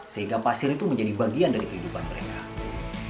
sehingga pasir itu menjadi bagian dari kehidupan mereka